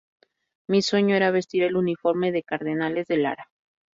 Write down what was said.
Mi sueño era vestir el uniforme de Cardenales de Lara.